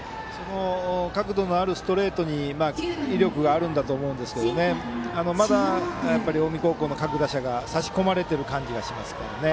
角度のあるストレートに威力があるんだと思いますがまだ近江高校の各打者が差し込まれている感じがします。